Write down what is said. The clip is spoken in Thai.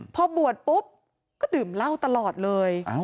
พอบวชปุ๊บก็ดื่มเหล้าตลอดเลย